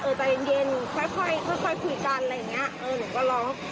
ใจเย็นค่อยค่อยคุยกันอะไรอย่างเงี้ยเออหนูก็ร้อง